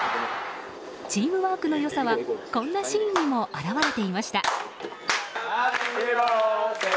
チームワークの良さはこんなシーンにも表れていました。